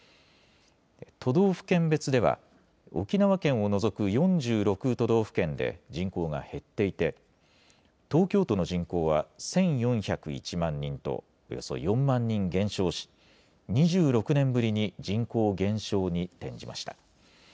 都道府県別では、沖縄県を除く４６都道府県で人口が減っていて、東京都の人口は１４０１万人とおよそ４万人減少し、２６年ぶりに人口減少に転じました。